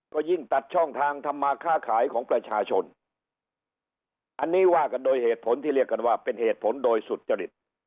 ก็ยิ่งตัดช่องทางทำมาค่าขายของประชาชนอันนี้ว่ากันโดยเหตุผลที่เรียกกันว่าเป็นเหตุผลโดยสุจริต